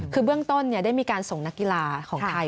คือเบื้องต้นได้มีการส่งนักกีฬาของไทย